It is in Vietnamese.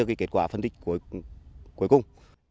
đó là kết quả phân tích cuối cùng